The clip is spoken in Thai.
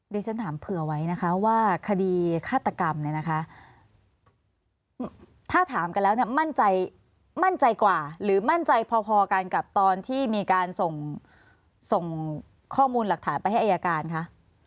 ฉันถามเผื่อไว้นะคะว่าคดีฆาตกรรมเนี่ยนะคะถ้าถามกันแล้วเนี่ยมั่นใจมั่นใจกว่าหรือมั่นใจพอกันกับตอนที่มีการส่งส่งข้อมูลหลักฐานไปให้อายการคะ